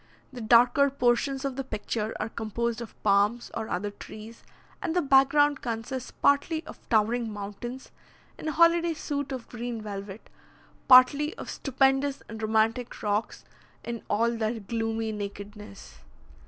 The darker portions of the picture are composed of palms or other trees, and the back ground consists partly of towering mountains, in a holiday suit of green velvet, partly of stupendous and romantic rocks in all their gloomy nakedness.